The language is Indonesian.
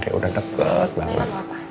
dia udah deket banget